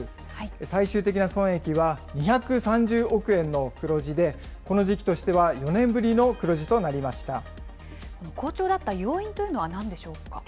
最終的な損益は２３０億円の黒字で、この時期としては４年ぶりのこの好調だった要因というのはなんでしょうか。